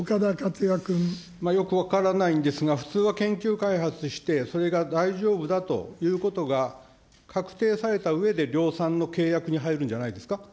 よく分からないんですが、普通は研究開発して、それが大丈夫だということが確定されたうえで、量産の契約に入るんじゃないですか。